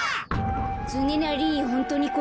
つねなりホントにこっち？